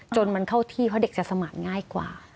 จนมันเข้าที่เพราะเด็กจะสมาธิง่ายกว่า